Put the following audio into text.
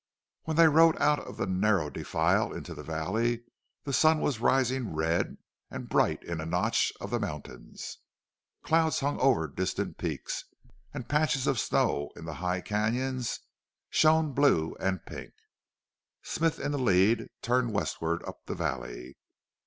When they rode out of the narrow defile into the valley the sun was rising red and bright in a notch of the mountains. Clouds hung over distant peaks, and the patches of snow in the high canons shone blue and pink. Smith in the lead turned westward up the valley.